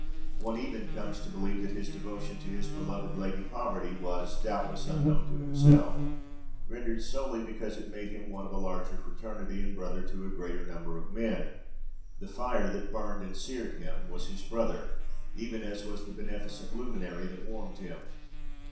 One even comes to believe that his devotion to his beloved Lady Poverty was doubtless unknown to himself rendered solely because it made him one of a larger fraternity and brother to a greater number of men. The fire that burned and seared him was his brother, even as was the beneficent luminary that warmed him.